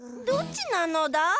どっちなのだ？